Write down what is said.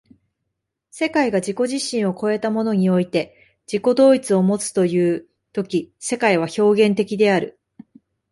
世界が自己自身を越えたものにおいて自己同一をもつという時世界は表現的である。